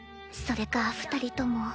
それか２人とも。